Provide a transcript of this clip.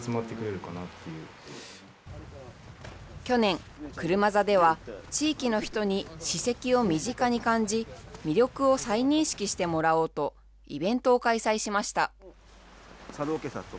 去年、車座では、地域の人に史跡を身近に感じ、魅力を再認識してもらおうと、イベントを開催しました。